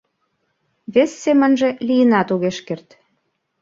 Вес семынже лийынат огеш керт.